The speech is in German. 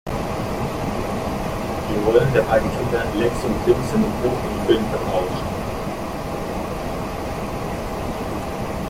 Die Rollen der beiden Kinder Lex und Tim sind in Buch und Film vertauscht.